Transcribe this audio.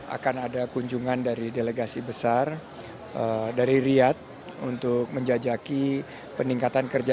akan ada kunjungan dari delegasi besar dari riyad untuk menjajaki peningkatan kerja